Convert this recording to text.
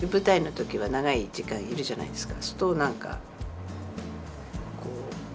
時は長い時間いるじゃないですか。